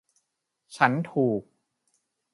ฉันถูก